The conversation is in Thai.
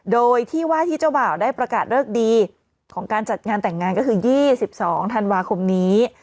โดยที่ว่าที่เจ้าบ่าวได้ประกาศเลิกดีของการจัดงานแต่งงานก็คือ๒๒ธันวาคมนี้